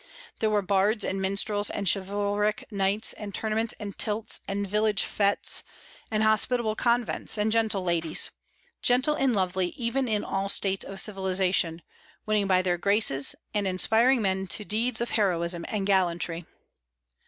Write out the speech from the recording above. There were bards and minstrels, and chivalric knights and tournaments and tilts, and village fêtes and hospitable convents and gentle ladies, gentle and lovely even in all states of civilization, winning by their graces and inspiring men to deeds of heroism and gallantry.